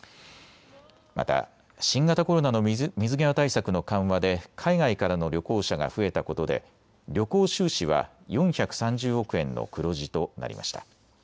また新型コロナの水際対策の緩和で海外からの旅行者が増えたことで旅行収支は４３０億円の黒字となりました。